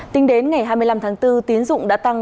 tính đến ngày hai mươi năm tháng bốn tín dụng đã tăng